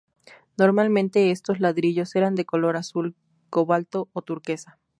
Normalmente estos ladrillos eran de color azul cobalto o turquesa.